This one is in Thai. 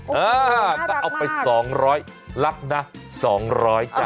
โอ้โหน่ารักมากเอาไป๒๐๐รักนะ๒๐๐จ้ะ